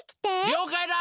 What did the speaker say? ・りょうかいだ！